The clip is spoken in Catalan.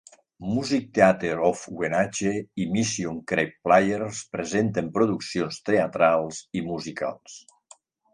Music Theater of Wenatchee i Mission Creek Players presenten produccions teatrals i musicals.